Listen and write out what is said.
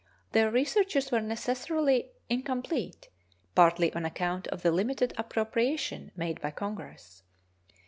Their researches were necessarily incomplete, partly on account of the limited appropriation made by Congress.